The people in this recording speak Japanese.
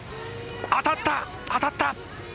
当たった、当たった。